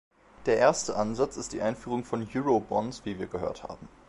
Der erste Ansatz ist die Einführung von Eurobonds, wie wir gehört haben.